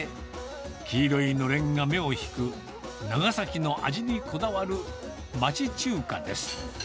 黄色いのれんが目を引く、長崎の味にこだわる町中華です。